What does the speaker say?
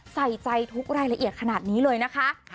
ใส่ใจทุกรายละเอียดขนาดนี้เลยนะคะ